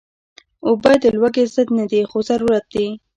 اوبه د لوږې ضد نه دي، خو ضرورت دي